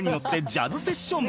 ジャズセッション